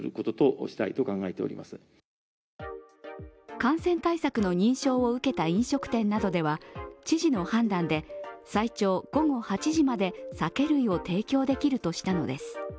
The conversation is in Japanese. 感染対策の認証を受けた飲食店などでは知事の判断で最長午後８時まで酒類を提供できるとしたのです。